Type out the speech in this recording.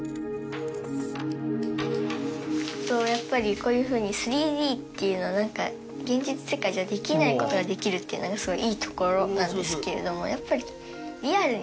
やっぱりこういうふうに３Ｄっていうの何か現実世界じゃできないことができるっていうのがすごいいいところなんですけれどもやっぱり。